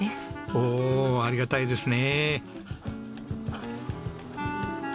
おおありがたいですね。